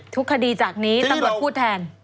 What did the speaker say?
ทุกคดีจากนี้ตำรวจพูดแทน